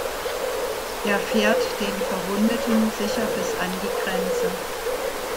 Er fährt den Verwundeten sicher bis an die Grenze.